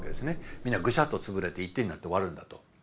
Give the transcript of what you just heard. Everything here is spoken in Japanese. みんなグシャッと潰れて一点になって終わるんだと。